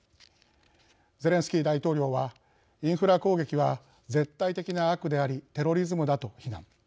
ゼレンスキー大統領はインフラ攻撃は絶対的な悪でありテロリズムだと非難。